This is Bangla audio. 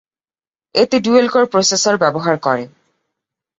এতে ডুয়াল কোর প্রসেসর ব্যবহার করে।